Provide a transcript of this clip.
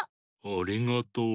ありがとう。